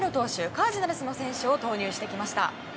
カージナルスの選手を投入してきました。